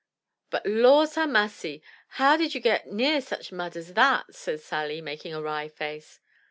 But Lors ha' massy, how did you get near such mud as that? " said Sally making a wry face.